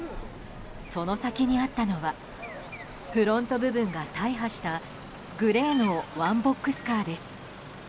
その先にあったのはフロント部分が大破したグレーのワンボックスカーです。